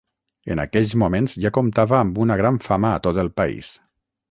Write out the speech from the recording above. En aquells moments ja comptava amb una gran fama a tot el país.